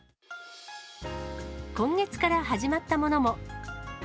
今月から始まったものも。